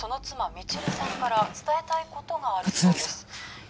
未知留さんから伝えたいことがあるそうです葛城さん